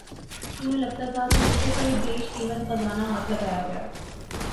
یوں لگتا تھا کہ جیسے کوئی بیش قیمت خزانہ ہاتھ لگا گیا